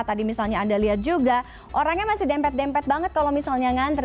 tadi misalnya anda lihat juga orangnya masih dempet dempet banget kalau misalnya ngantri